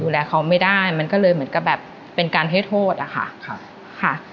ดูแลเขาไม่ได้มันก็เลยเหมือนกับแบบเป็นการให้โทษอะค่ะครับค่ะ